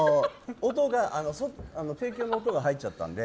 提供の音が入っちゃったんで。